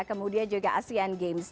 kemudian juga asean games